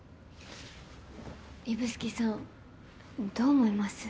指宿さんどう思います？